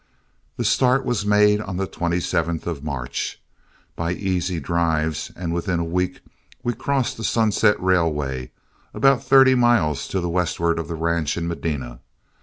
The start was made on the 27th of March. By easy drives and within a week, we crossed the "Sunset" Railway, about thirty miles to the westward of the ranch in Medina.